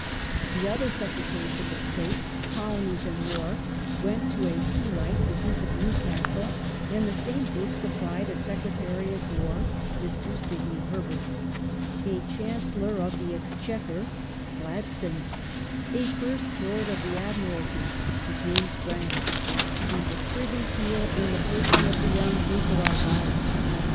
The other Secretaryship of State — Colonies and War — went to a Peelite, the Duke of Newcastle, and the same gi oup supplied a Secretary at War (Mr. Sidney Herbert), a Chan cellor of the Exchequer (Gladstone), a First Lord of the Admiralty (Sir James Gi aham), and a Privy Seal, in the person of the young Duke of Ai'gyll.